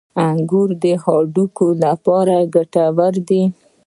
• انګور د هډوکو لپاره ګټور دي.